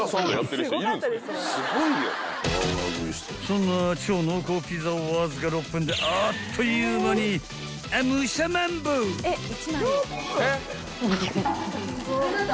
［そんな超濃厚ピザをわずか６分であっという間にあっむしゃまんぼう！］